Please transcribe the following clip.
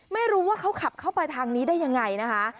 ไม่รู้ว่าเขาขับเข้าไปทางนี้ได้ยังไงนะคะ